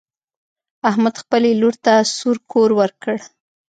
احمد خپلې لور ته سور کور ورکړ.